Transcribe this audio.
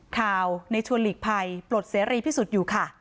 ข่าวในชวนหลีกภัยปลดเสรีพิสุทธิ์อยู่ค่ะ